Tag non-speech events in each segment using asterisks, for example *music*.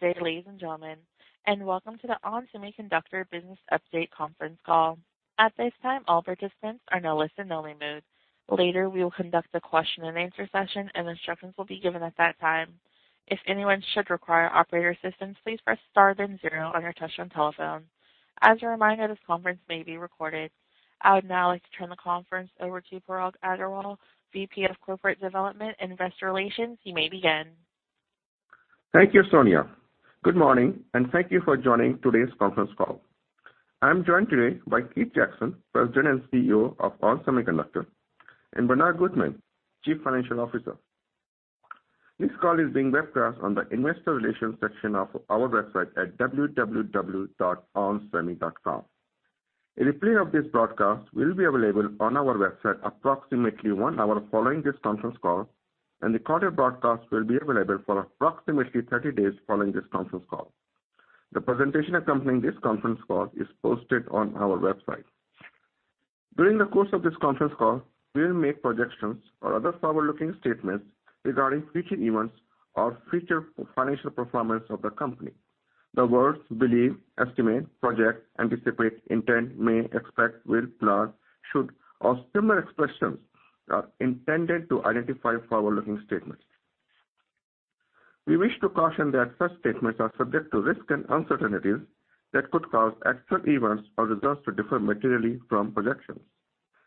Good day, ladies and gentlemen, and welcome to the ON Semiconductor business update conference call. At this time, all participants are in a listen only mode. Later, we will conduct a question and answer session, and instructions will be given at that time. If anyone should require operator assistance, please press star then zero on your touchtone telephone. As a reminder, this conference may be recorded. I would now like to turn the conference over to Parag Agarwal, VP of Corporate Development and Investor Relations. You may begin. Thank you, Sonia. Good morning, and thank you for joining today's conference call. I'm joined today by Keith Jackson, President and CEO of ON Semiconductor, and Bernard Gutmann, Chief Financial Officer. This call is being webcast on the investor relations section of our website at www.onsemi.com. A replay of this broadcast will be available on our website approximately one hour following this conference call, and the quarter broadcast will be available for approximately 30 days following this conference call. The presentation accompanying this conference call is posted on our website. During the course of this conference call, we will make projections or other forward-looking statements regarding future events or future financial performance of the company. The words believe, estimate, project, anticipate, intend, may, expect, will, plan, should, or similar expressions are intended to identify forward-looking statements. We wish to caution that such statements are subject to risks and uncertainties that could cause actual events or results to differ materially from projections.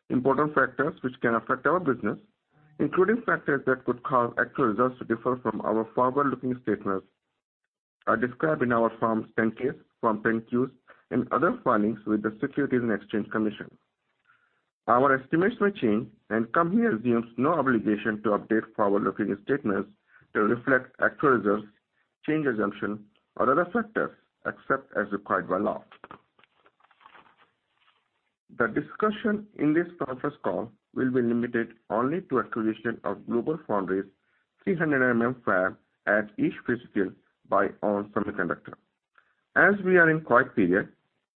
Important factors which can affect our business, including factors that could cause actual results to differ from our forward-looking statements, are described in our Forms 10-Ks, Form 10-Q, and other filings with the Securities and Exchange Commission. Our estimates may change, and company assumes no obligation to update forward-looking statements to reflect actual results, changed assumption, or other factors, except as required by law. The discussion in this conference call will be limited only to acquisition of GlobalFoundries' 300 mm fab at East Fishkill by ON Semiconductor. As we are in quiet period,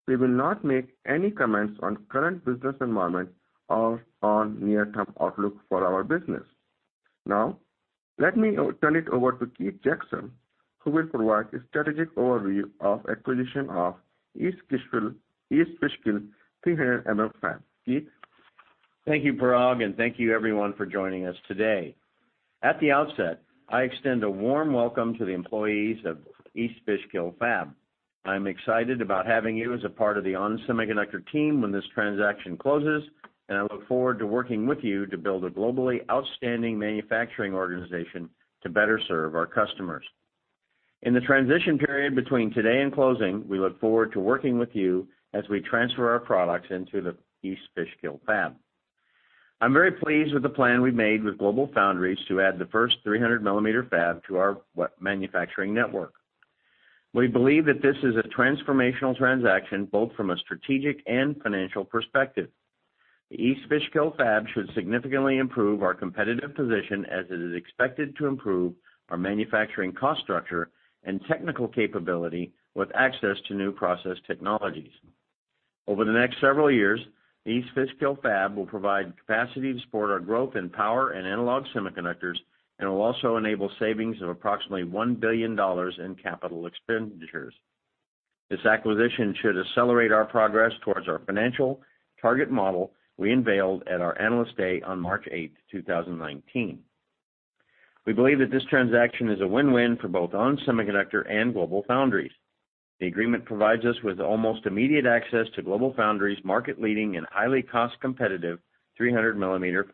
we will not make any comments on current business environment or on near-term outlook for our business. Now, let me turn it over to Keith Jackson, who will provide a strategic overview of acquisition of East Fishkill 300 mm fab. Keith? Thank you, Parag, and thank you everyone for joining us today. At the outset, I extend a warm welcome to the employees of East Fishkill Fab. I'm excited about having you as a part of the ON Semiconductor team when this transaction closes, and I look forward to working with you to build a globally outstanding manufacturing organization to better serve our customers. In the transition period between today and closing, we look forward to working with you as we transfer our products into the East Fishkill Fab. I'm very pleased with the plan we've made with GlobalFoundries to add the first 300-millimeter fab to our wet manufacturing network. We believe that this is a transformational transaction, both from a strategic and financial perspective. The East Fishkill fab should significantly improve our competitive position as it is expected to improve our manufacturing cost structure and technical capability with access to new process technologies. Over the next several years, East Fishkill Fab will provide capacity to support our growth in power and analog semiconductors and will also enable savings of approximately $1 billion in capital expenditures. This acquisition should accelerate our progress towards our financial target model we unveiled at our Analyst Day on March 8, 2019. We believe that this transaction is a win-win for both ON Semiconductor and GlobalFoundries. The agreement provides us with almost immediate access to GlobalFoundries' market-leading and highly cost-competitive 300-millimeter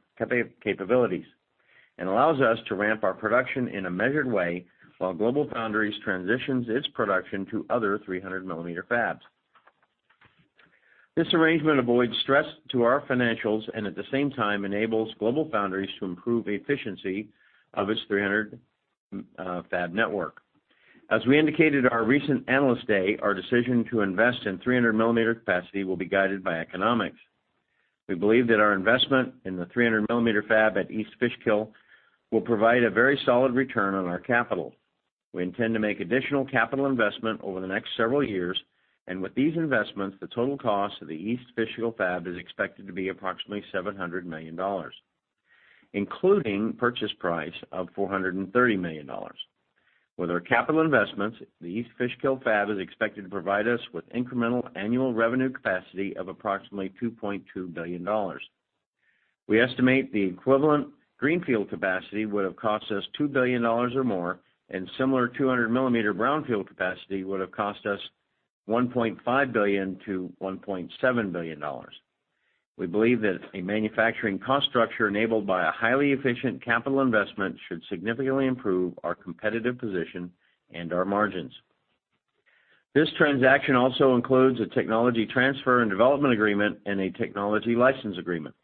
capabilities and allows us to ramp our production in a measured way while GlobalFoundries transitions its production to other 300-millimeter fabs. This arrangement avoids stress to our financials and at the same time enables GlobalFoundries to improve the efficiency of its 300 fab network. As we indicated at our recent Analyst Day, our decision to invest in 300-millimeter capacity will be guided by economics. We believe that our investment in the 300-millimeter fab at East Fishkill will provide a very solid return on our capital. We intend to make additional capital investment over the next several years, and with these investments, the total cost of the East Fishkill fab is expected to be approximately $700 million, including purchase price of $430 million. With our capital investments, the East Fishkill fab is expected to provide us with incremental annual revenue capacity of approximately $2.2 billion. We estimate the equivalent greenfield capacity would have cost us $2 billion or more, and similar 200-millimeter brownfield capacity would have cost us $1.5 billion-$1.7 billion. We believe that a manufacturing cost structure enabled by a highly efficient capital investment should significantly improve our competitive position and our margins. This transaction also includes a technology transfer and development agreement and a technology license agreement.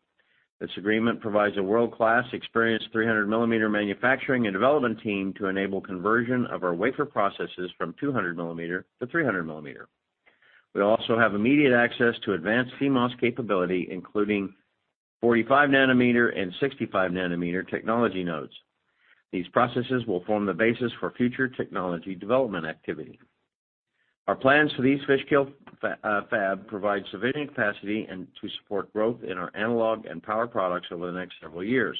This agreement provides a world-class experienced 300-millimeter manufacturing and development team to enable conversion of our wafer processes from 200-millimeter to 300-millimeter. We also have immediate access to advanced CMOS capability, including 45-nanometer and 65-nanometer technology nodes. These processes will form the basis for future technology development activity. Our plans for the East Fishkill fab provide sufficient capacity to support growth in our analog and power products over the next several years.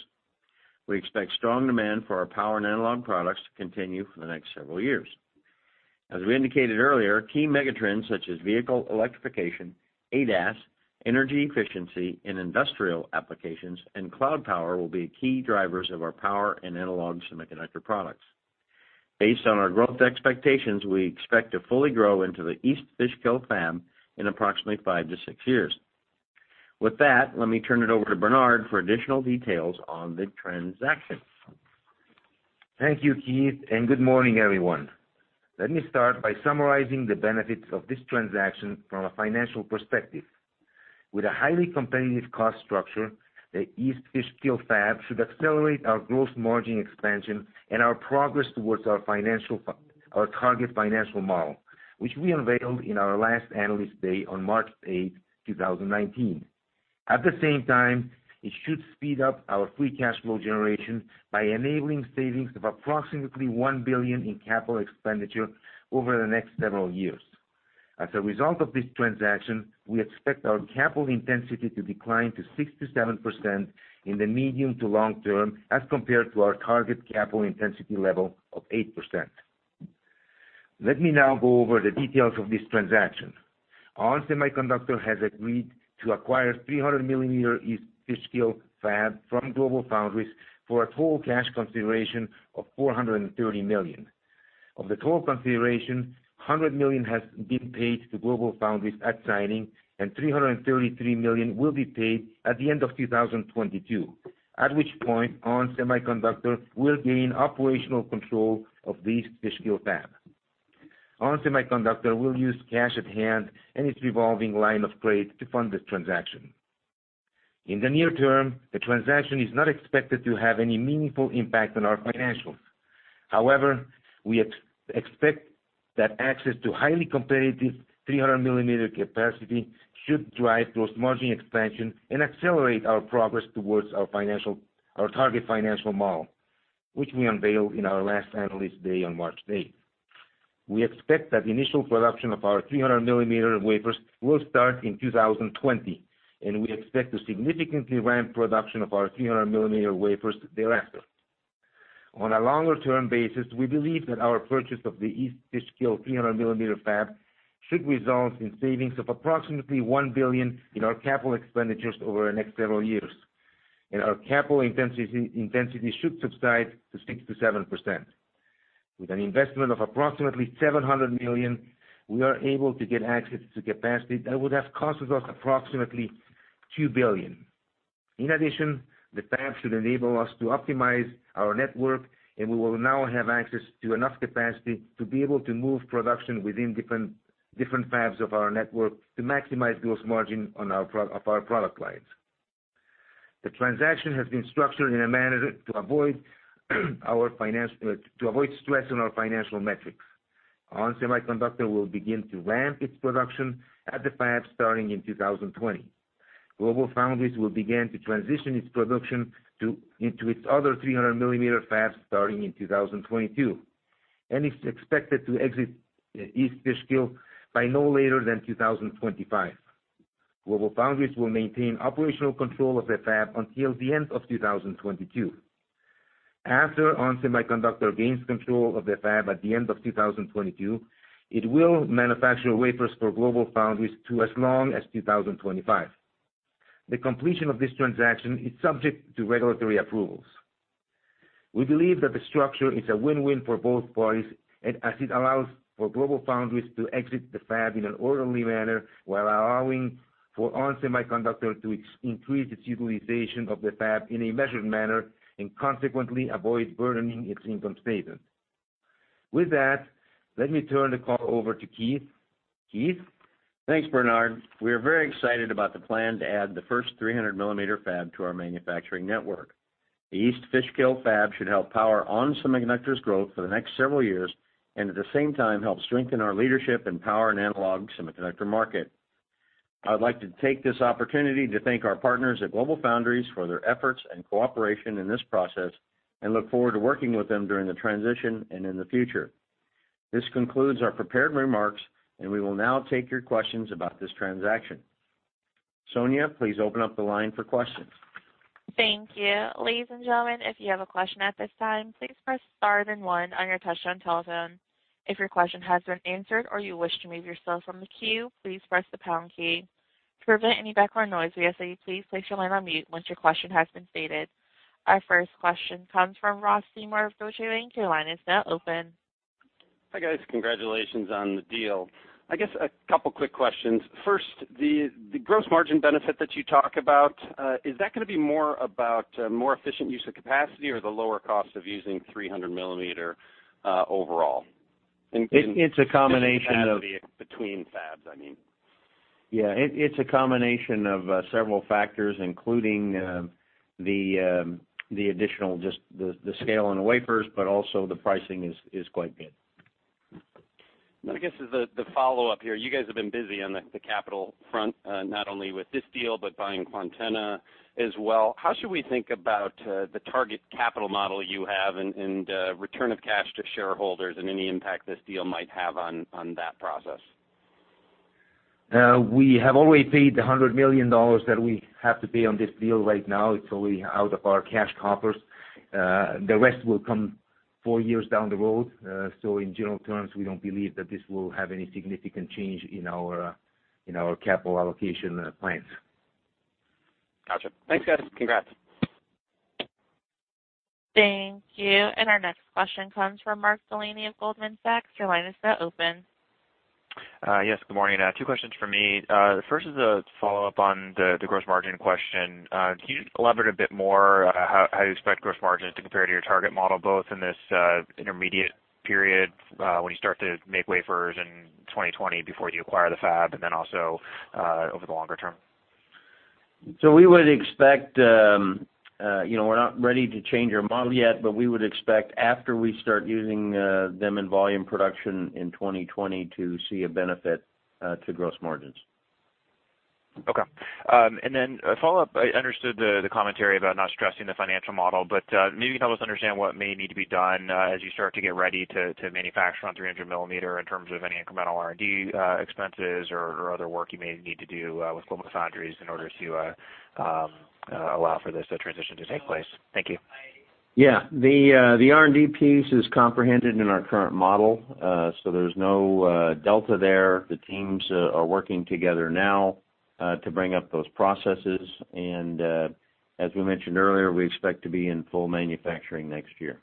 We expect strong demand for our power and analog products to continue for the next several years. As we indicated earlier, key megatrends such as vehicle electrification, ADAS, energy efficiency in industrial applications, and cloud power will be key drivers of our power and analog semiconductor products. Based on our growth expectations, we expect to fully grow into the East Fishkill fab in approximately five to six years. With that, let me turn it over to Bernard for additional details on the transaction. Thank you, Keith, and good morning, everyone. Let me start by summarizing the benefits of this transaction from a financial perspective. With a highly competitive cost structure, the East Fishkill fab should accelerate our gross margin expansion and our progress towards our target financial model, which we unveiled in our last Analyst Day on March 8, 2019. At the same time, it should speed up our free cash flow generation by enabling savings of approximately $1 billion in capital expenditure over the next several years. As a result of this transaction, we expect our capital intensity to decline to 6%-7% in the medium to long term as compared to our target capital intensity level of 8%. Let me now go over the details of this transaction. ON Semiconductor has agreed to acquire 300-millimeter East Fishkill fab from GlobalFoundries for a total cash consideration of $430 million. Of the total consideration, $100 million has been paid to GlobalFoundries at signing, and $333 million will be paid at the end of 2022, at which point ON Semiconductor will gain operational control of the East Fishkill fab. ON Semiconductor will use cash at hand and its revolving line of credit to fund this transaction. In the near term, the transaction is not expected to have any meaningful impact on our financials. However, we expect that access to highly competitive 300-millimeter capacity should drive gross margin expansion and accelerate our progress towards our target financial model, which we unveiled in our last Analyst Day on March 8th. We expect that initial production of our 300-millimeter wafers will start in 2020, and we expect to significantly ramp production of our 300-millimeter wafers thereafter. On a longer-term basis, we believe that our purchase of the East Fishkill 300-millimeter fab should result in savings of approximately $1 billion in our capital expenditures over the next several years, and our capital intensity should subside to 6%-7%. With an investment of approximately $700 million, we are able to get access to capacity that would have cost us approximately $2 billion. In addition, the fab should enable us to optimize our network, and we will now have access to enough capacity to be able to move production within different fabs of our network to maximize gross margin of our product lines. The transaction has been structured in a manner to avoid stress on our financial metrics. ON Semiconductor will begin to ramp its production at the fab starting in 2020. GlobalFoundries will begin to transition its production into its other 300-millimeter fabs starting in 2022, and is expected to exit East Fishkill by no later than 2025. GlobalFoundries will maintain operational control of the fab until the end of 2022. After ON Semiconductor gains control of the fab at the end of 2022, it will manufacture wafers for GlobalFoundries to as long as 2025. The completion of this transaction is subject to regulatory approvals. We believe that the structure is a win-win for both parties as it allows for GlobalFoundries to exit the fab in an orderly manner, while allowing for ON Semiconductor to increase its utilization of the fab in a measured manner and consequently avoid burdening its income statement. With that, let me turn the call over to Keith. Keith? Thanks, Bernard. We are very excited about the plan to add the first 300-millimeter fab to our manufacturing network. The East Fishkill fab should help power ON Semiconductor's growth for the next several years, and at the same time help strengthen our leadership in power and analog semiconductor market. I would like to take this opportunity to thank our partners at GlobalFoundries for their efforts and cooperation in this process, and look forward to working with them during the transition and in the future. This concludes our prepared remarks, and we will now take your questions about this transaction. Sonia, please open up the line for questions. Thank you. Ladies and gentlemen, if you have a question at this time, please press star then one on your touchtone telephone. If your question has been answered or you wish to remove yourself from the queue, please press the pound key. To prevent any background noise, we ask that you please place your line on mute once your question has been stated. Our first question comes from Ross Seymore of Deutsche Bank. Your line is now open. Hi, guys. Congratulations on the deal. I guess a couple quick questions. First, the gross margin benefit that you talk about, is that going to be more about more efficient use of capacity or the lower cost of using 300-millimeter overall? It's a combination. Capacity between fabs, I mean. Yeah. It's a combination of several factors, including the additional scale on the wafers, but also the pricing is quite good. I guess as the follow-up here, you guys have been busy on the capital front, not only with this deal, but buying Quantenna as well. How should we think about the target capital model you have and return of cash to shareholders and any impact this deal might have on that process? We have already paid the $100 million that we have to pay on this deal right now. It's already out of our cash coffers. The rest will come four years down the road. In general terms, we don't believe that this will have any significant change in our capital allocation plans. Got you. Thanks, guys. Congrats. Thank you. Our next question comes from Mark Delaney of Goldman Sachs. Your line is now open. Yes, good morning. Two questions from me. The first is a follow-up on the gross margin question. Can you elaborate a bit more how you expect gross margins to compare to your target model, both in this intermediate period when you start to make wafers in 2020 before you acquire the fab, and then also over the longer term? We're not ready to change our model yet, but we would expect after we start using them in volume production in 2020 to see a benefit to gross margins. Okay. A follow-up. I understood the commentary about not stressing the financial model, but maybe help us understand what may need to be done as you start to get ready to manufacture on 300 millimeter in terms of any incremental R&D expenses or other work you may need to do with GlobalFoundries in order to allow for this transition to take place. Thank you. Yeah. The R&D piece is comprehended in our current model, there's no delta there. The teams are working together now to bring up those processes. As we mentioned earlier, we expect to be in full manufacturing next year.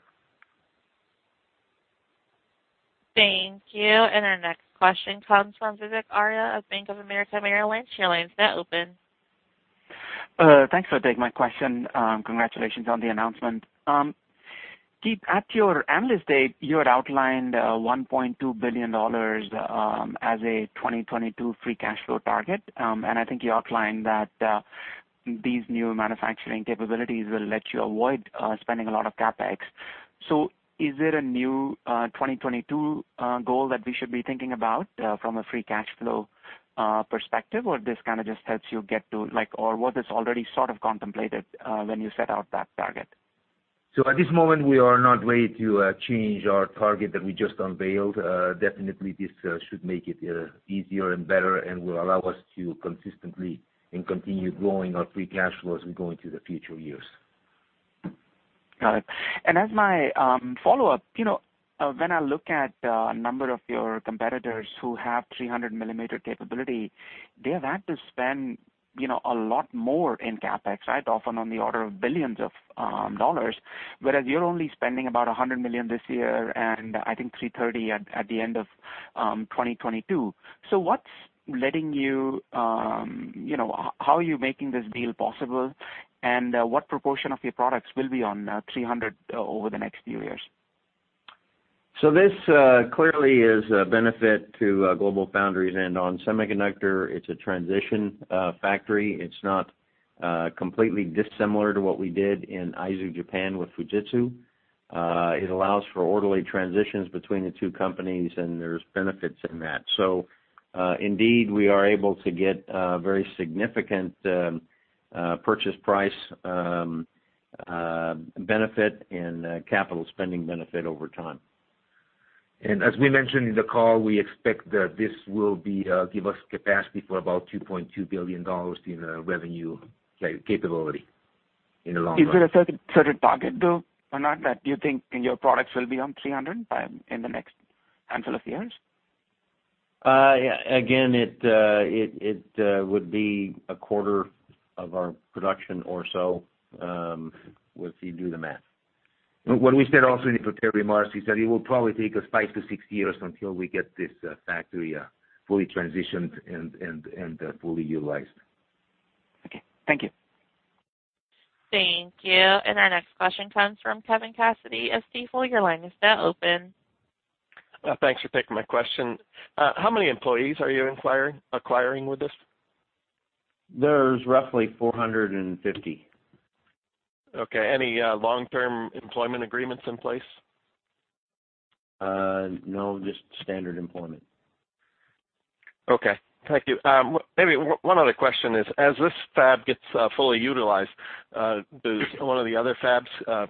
Thank you. Our next question comes from Vivek Arya of Bank of America Merrill Lynch. Your line is now open. Thanks for taking my question. Congratulations on the announcement. Keith, at your Analyst Day, you had outlined $1.2 billion as a 2022 free cash flow target. I think you outlined that these new manufacturing capabilities will let you avoid spending a lot of CapEx. Is it a new 2022 goal that we should be thinking about from a free cash flow perspective, or was this already sort of contemplated when you set out that target? At this moment, we are not ready to change our target that we just unveiled. Definitely, this should make it easier and better and will allow us to consistently and continue growing our free cash flow as we go into the future years. Got it. As my follow-up, when I look at a number of your competitors who have 300-millimeter capability, they've had to spend a lot more in CapEx, right? Often on the order of billions of dollars, whereas you're only spending about $100 million this year and I think $330 million at the end of 2022. How are you making this deal possible, and what proportion of your products will be on 300 over the next few years? This clearly is a benefit to GlobalFoundries, and ON Semiconductor, it's a transition factory. It's not completely dissimilar to what we did in Aizu, Japan with Fujitsu. It allows for orderly transitions between the two companies, and there's benefits in that. Indeed, we are able to get a very significant purchase price benefit and capital spending benefit over time. As we mentioned in the call, we expect that this will give us capacity for about $2.2 billion in revenue capability in the long run. Is it a certain target, though, or not that you think your products will be on 300 in the next handful of years? Again, it would be a quarter of our production or so, if you do the math. What we said also in the prepared remarks, is that it will probably take us five to six years until we get this factory fully transitioned and fully utilized. Okay. Thank you. Thank you. Our next question comes from Kevin Cassidy of Stifel. Your line is now open. Thanks for taking my question. How many employees are you acquiring with this? There's roughly 450. Okay. Any long-term employment agreements in place? No, just standard employment. Okay. Thank you. Maybe one other question is, as this fab gets fully utilized, does one of the other fabs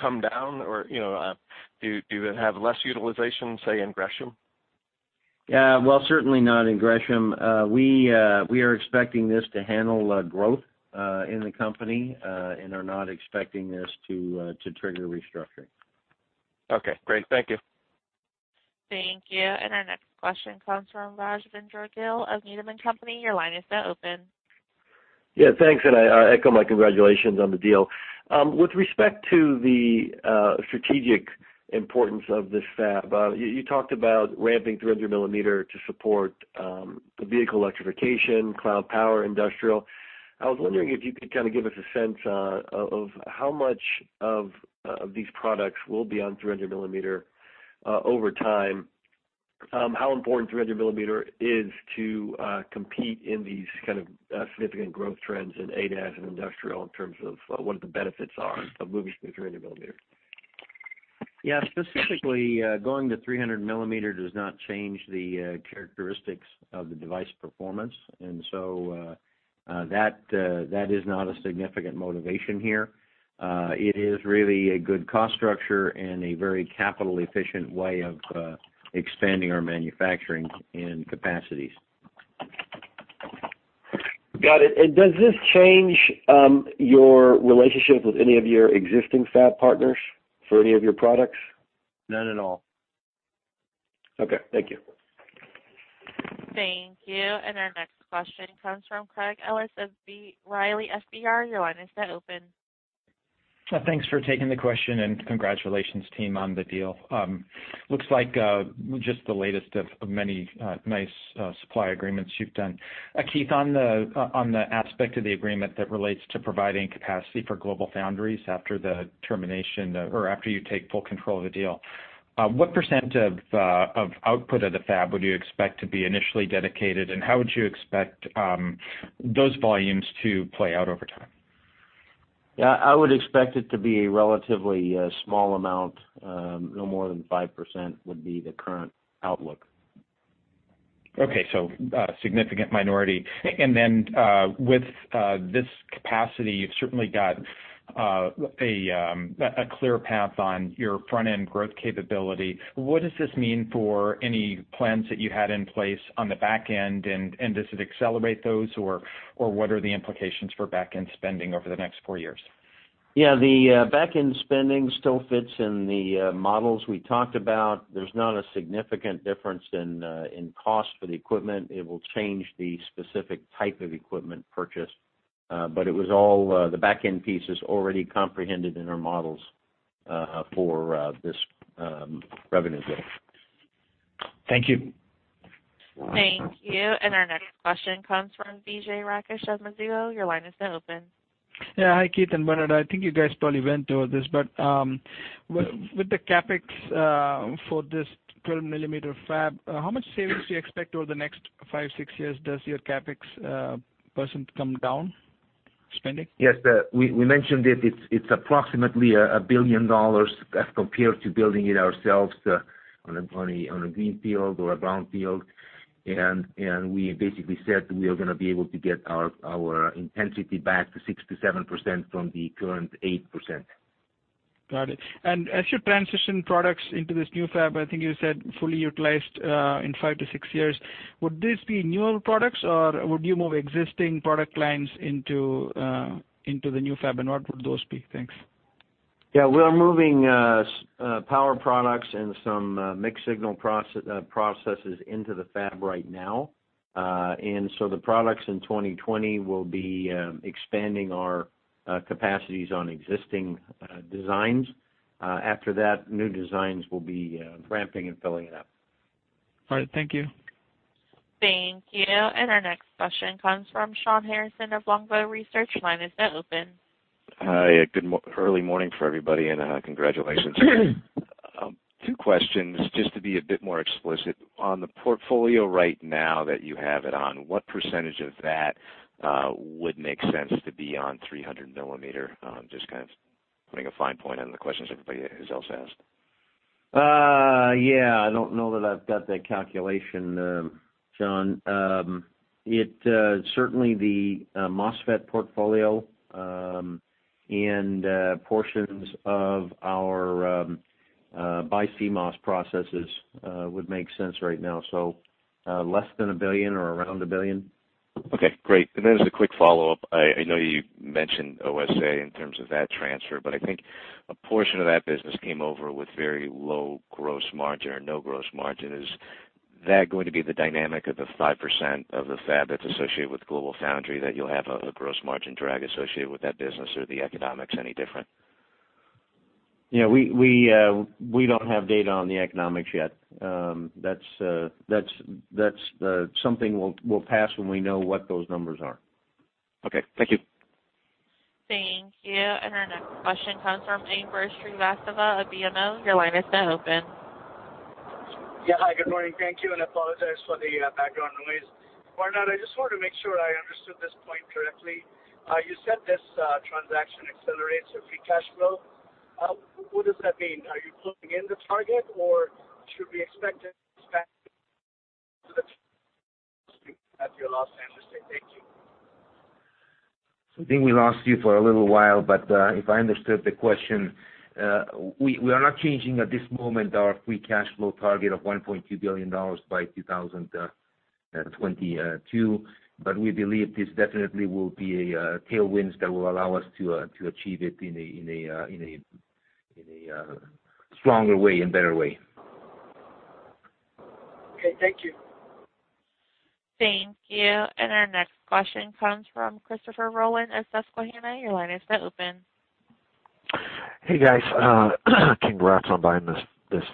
come down, or do they have less utilization, say, in Gresham? Well, certainly not in Gresham. We are expecting this to handle growth in the company, and are not expecting this to trigger restructuring. Okay, great. Thank you. Thank you. Our next question comes from Rajvindra Gill of Needham & Company. Your line is now open. Thanks, I echo my congratulations on the deal. With respect to the strategic importance of this fab, you talked about ramping 300-millimeter to support the vehicle electrification, cloud, power, industrial. I was wondering if you could kind of give us a sense of how much of these products will be on 300-millimeter over time, how important 300-millimeter is to compete in these kind of significant growth trends in ADAS and industrial in terms of what the benefits are of moving to 300-millimeter. Specifically, going to 300-millimeter does not change the characteristics of the device performance. That is not a significant motivation here. It is really a good cost structure and a very capital-efficient way of expanding our manufacturing and capacities. Got it. Does this change your relationship with any of your existing fab partners for any of your products? None at all. Okay. Thank you. Thank you. Our next question comes from Craig Ellis of B. Riley FBR. Your line is now open. Thanks for taking the question, congratulations, team, on the deal. Looks like just the latest of many nice supply agreements you've done. Keith, on the aspect of the agreement that relates to providing capacity for GlobalFoundries after the termination or after you take full control of the deal, what % of output of the fab would you expect to be initially dedicated, and how would you expect those volumes to play out over time? Yeah, I would expect it to be a relatively small amount. No more than 5% would be the current outlook. Okay, a significant minority. With this capacity, you've certainly got a clear path on your front-end growth capability. What does this mean for any plans that you had in place on the back end, and does it accelerate those, or what are the implications for back-end spending over the next four years? Yeah, the back-end spending still fits in the models we talked about. There's not a significant difference in cost for the equipment. It will change the specific type of equipment purchased, the back-end piece is already comprehended in our models for this revenue deal. Thank you. Thank you. Our next question comes from Vijay Rakesh of Mizuho. Your line is now open. Yeah. Hi, Keith and Bernard. I think you guys probably went over this, with the CapEx for this 300-millimeter fab, how much savings do you expect over the next five, six years? Does your CapEx % come down? Yes, we mentioned it. It's approximately $1 billion as compared to building it ourselves on a greenfield or a brownfield. We basically said we are going to be able to get our intensity back to 6%-7% from the current 8%. Got it. As you transition products into this new fab, I think you said fully utilized in five to six years, would this be newer products, or would you move existing product lines into the new fab, and what would those be? Thanks. Yeah, we're moving power products and some mixed signal processes into the fab right now. The products in 2020 will be expanding our capacities on existing designs. After that, new designs will be ramping and filling it up. All right, thank you. Thank you. Our next question comes from Shawn Harrison of Longbow Research. Line is now open. Hi. Early morning for everybody, congratulations. Two questions, just to be a bit more explicit. On the portfolio right now that you have it on, what % of that would make sense to be on 300-millimeter? Just kind of putting a fine point on the questions everybody else asked. Yeah, I don't know that I've got that calculation, Shawn. Certainly the MOSFET portfolio and portions of our BiCMOS processes would make sense right now, so less than $1 billion or around $1 billion. Okay, great. As a quick follow-up, I know you mentioned OSAT in terms of that transfer, but I think a portion of that business came over with very low gross margin or no gross margin. Is that going to be the dynamic of the 5% of the fab that's associated with GlobalFoundries, that you'll have a gross margin drag associated with that business, or are the economics any different? Yeah, we don't have data on the economics yet. That's something we'll pass when we know what those numbers are. Okay. Thank you. Thank you. Our next question comes from Ambrish Srivastava of BMO. Your line is now open. Yeah. Hi, good morning. Thank you, I apologize for the background noise. Bernard, I just wanted to make sure I understood this point correctly. You said this transaction accelerates your free cash flow. What does that mean? Are you closing in the target, or should we expect? *inaudible* Thank you. I think we lost you for a little while, if I understood the question, we are not changing at this moment our free cash flow target of $1.2 billion by 2022. We believe this definitely will be a tailwind that will allow us to achieve it in a stronger way and better way. Okay, thank you. Thank you. Our next question comes from Christopher Rolland of Susquehanna. Your line is now open. Hey, guys. Congrats on buying this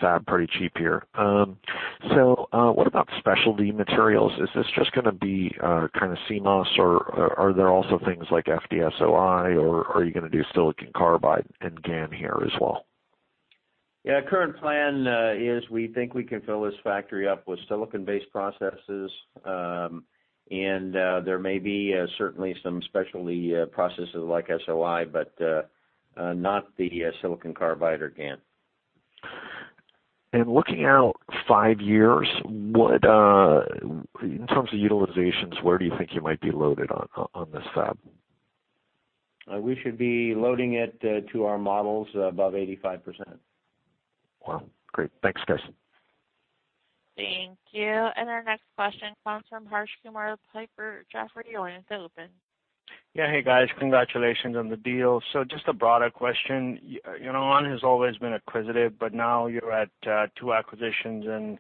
fab pretty cheap here. What about specialty materials? Is this just going to be kind of CMOS, or are there also things like FDSOI, or are you going to do silicon carbide and GaN here as well? Yeah, current plan is we think we can fill this factory up with silicon-based processes. There may be certainly some specialty processes like SOI, but not the silicon carbide or GaN. Looking out five years, in terms of utilizations, where do you think you might be loaded on this fab? We should be loading it to our models above 85%. Wow. Great. Thanks, guys. Thank you. Our next question comes from Harsh Kumar of Piper Jaffray. Your line is open. Hey, guys. Congratulations on the deal. Just a broader question. ON has always been acquisitive, but now you're at 2 acquisitions in,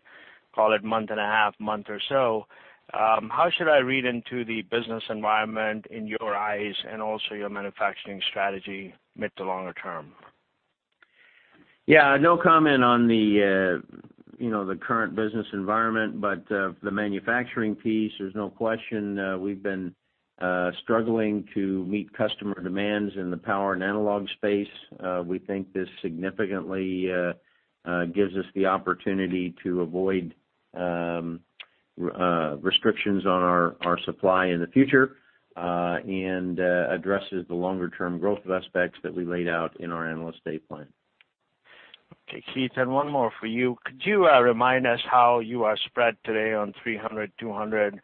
call it a month and a half, a month or so. How should I read into the business environment in your eyes and also your manufacturing strategy mid to longer term? No comment on the current business environment, the manufacturing piece, there's no question we've been struggling to meet customer demands in the power and analog space. We think this significantly gives us the opportunity to avoid restrictions on our supply in the future, addresses the longer-term growth aspects that we laid out in our Analyst Day plan. Keith, one more for you. Could you remind us how you are spread today on 300, 200,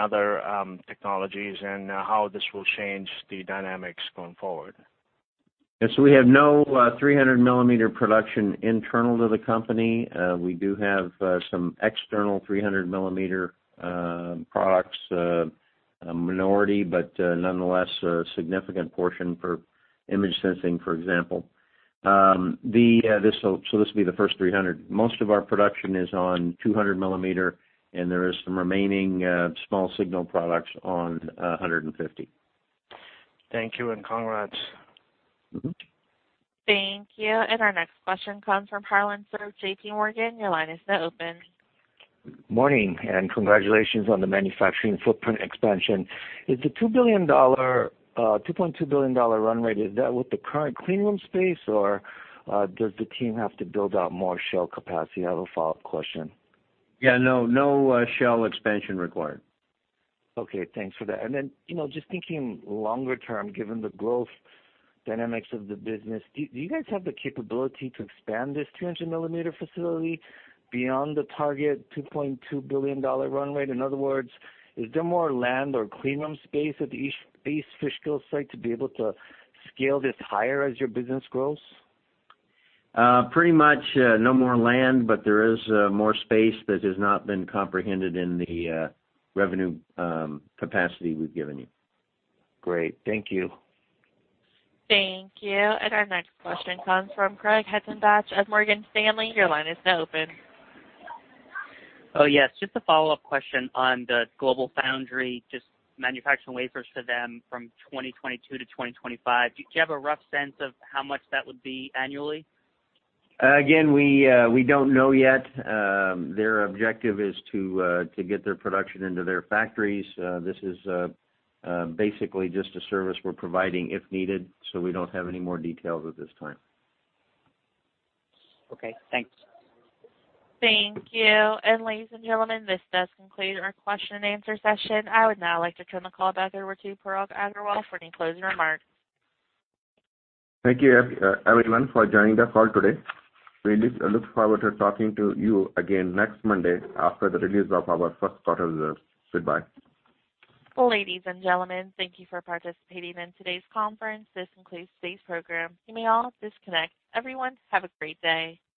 other technologies, how this will change the dynamics going forward? We have no 300-millimeter production internal to the company. We do have some external 300-millimeter products, a minority, nonetheless, a significant portion for image sensing, for example. This will be the first 300. Most of our production is on 200-millimeter, there is some remaining small signal products on 150. Thank you, and congrats. Thank you. Our next question comes from Harlan Sur of JP Morgan. Your line is now open. Morning, and congratulations on the manufacturing footprint expansion. Is the $2.2 billion run rate, is that with the current clean room space, or does the team have to build out more shell capacity? I have a follow-up question. Yeah, no shell expansion required. Okay. Thanks for that. Just thinking longer term, given the growth dynamics of the business, do you guys have the capability to expand this 200-millimeter facility beyond the target $2.2 billion run rate? In other words, is there more land or clean room space at the East Fishkill site to be able to scale this higher as your business grows? Pretty much no more land, but there is more space that has not been comprehended in the revenue capacity we've given you. Great. Thank you. Thank you. Our next question comes from Craig Hettenbach of Morgan Stanley. Your line is now open. Oh, yes. Just a follow-up question on the GlobalFoundries, just manufacturing wafers for them from 2022 to 2025. Do you have a rough sense of how much that would be annually? Again, we don't know yet. Their objective is to get their production into their factories. This is basically just a service we're providing if needed. We don't have any more details at this time. Okay, thanks. Thank you. Ladies and gentlemen, this does conclude our question and answer session. I would now like to turn the call back over to Parag Agarwal for any closing remarks. Thank you, everyone, for joining the call today. We look forward to talking to you again next Monday after the release of our first quarter results. Goodbye. Ladies and gentlemen, thank you for participating in today's conference. This concludes today's program. You may all disconnect. Everyone, have a great day.